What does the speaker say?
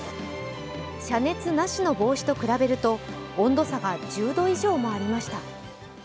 遮熱なしの帽子と比べると温度差が１０度以上もありました。